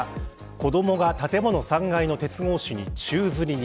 子どもが、建物３階の鉄格子に宙づりに。